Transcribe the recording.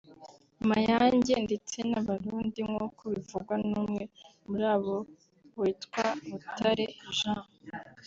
Mayange ndetse n’Abarundi nk’uko bivugwa n’umwe muri abo witwa Butare Jean